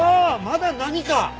まだ何か！？